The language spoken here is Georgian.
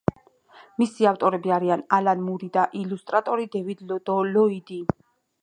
მისი ავტორები არიან ალან მური და ილუსტრატორი დევიდ ლოიდი.